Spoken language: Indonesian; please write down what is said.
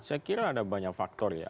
saya kira ada banyak faktor ya